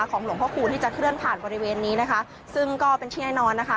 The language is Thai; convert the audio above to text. หลวงพระคูณที่จะเคลื่อนผ่านบริเวณนี้นะคะซึ่งก็เป็นที่แน่นอนนะคะ